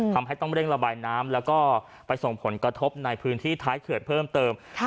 ทำให้ต้องเร่งระบายน้ำแล้วก็ไปส่งผลกระทบในพื้นที่ท้ายเขื่อนเพิ่มเติม